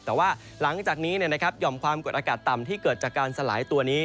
แต่ว่าหลังจากนี้หย่อมความกดอากาศต่ำที่เกิดจากการสลายตัวนี้